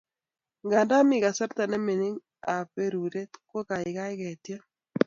Nganda mi kasarta ne mining' ab peruret ko kaikai ketiem